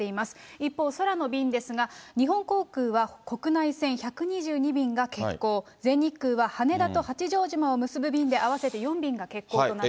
一方、空の便ですが、日本航空は国内線１２２便が欠航、全日空は羽田と八丈島を結ぶ便で合わせて４便が欠航となってます。